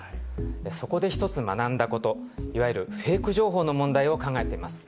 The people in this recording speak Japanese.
そこで一つ学んだこと、いわゆるフェイク情報の問題を考えてみます。